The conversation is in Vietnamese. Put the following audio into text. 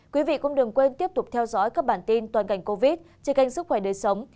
quý vị cũng đừng quên tiếp tục theo dõi các bản tin toàn cảnh covid trên kênh sức khỏe đời sống